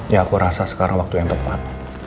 ya aku rasa sekarang waktu yang tepat